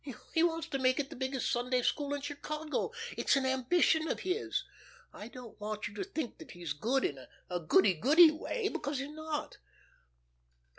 He wants to make it the biggest Sunday school in Chicago. It's an ambition of his. I don't want you to think that he's good in a goody goody way, because he's not.